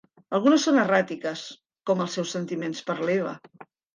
Algunes són erràtiques, com els seus sentiments per l'Eva.